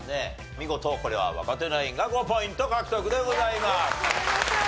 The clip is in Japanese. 見事これは若手ナインが５ポイント獲得でございます。